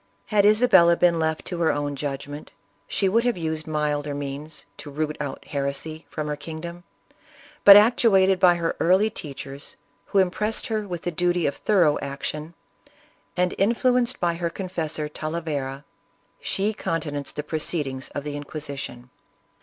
Had Isabella been left to her own judgment, she would have used milder means to " root out heresy" from her kingdom, but, actuated by her early teachers who impressed her with the duty of thorough action, and influenced by her confessor Talavera, she counte nanced the proceedings of the Inquisition.